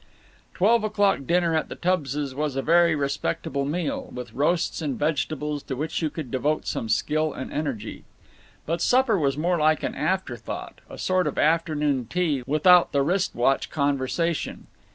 Twelve o'clock dinner at the Tubbses' was a very respectable meal, with roasts and vegetables to which you could devote some skill and energy. But supper was more like an after thought, a sort of afternoon tea without the wrist watch conversation.